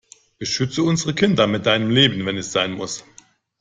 Beschütze unsere Kinder mit deinem Leben wenn es sein muss.